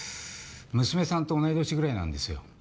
娘さんと同い年ぐらいなんですよ。